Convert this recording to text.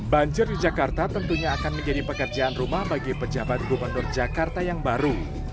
banjir di jakarta tentunya akan menjadi pekerjaan rumah bagi pejabat gubernur jakarta yang baru